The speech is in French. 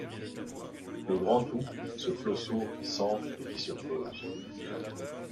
Le grand Tout, ce flot sourd qui s’enfle et qui se creuse